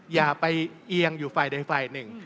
อย่าไปเอียงอยู่ฝ่ายหนึ่ง